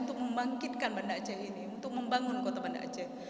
untuk membangkitkan banda aceh ini untuk membangun kota banda aceh